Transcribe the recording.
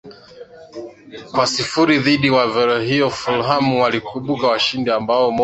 kwa sifuri dhidi wolvehamton fulham wakaibuka washindi wa bao moja